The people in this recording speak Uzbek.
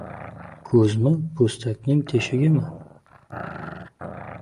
— Ko‘zmi, po‘stakning teshigimi!